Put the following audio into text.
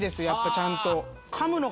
やっぱちゃんと。